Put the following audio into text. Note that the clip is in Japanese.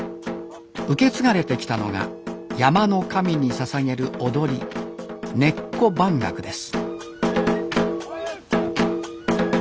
受け継がれてきたのが山の神にささげる踊り「根子番楽」です